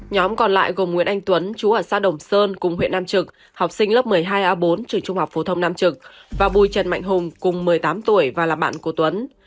nhóm còn lại gồm nguyễn anh tuấn chú ở xã đồng sơn cùng huyện nam trực học sinh lớp một mươi hai a bốn trường trung học phổ thông nam trực và bùi trần mạnh hùng cùng một mươi tám tuổi và là bạn của tuấn